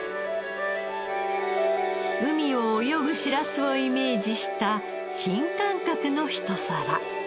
海を泳ぐしらすをイメージした新感覚のひと皿。